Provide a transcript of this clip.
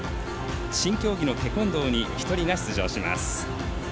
新競技のテコンドーに１人が出場します。